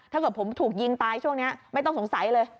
ถ้าเกิดผมถูกยิงตายช่วงนี้ไม่ต้องสงสัยเลย